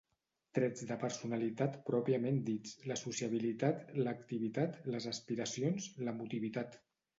Trets de personalitat pròpiament dits: la sociabilitat, l'activitat, les aspiracions, l'emotivitat.